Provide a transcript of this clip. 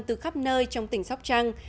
từ khắp nơi trong tỉnh sóc trăng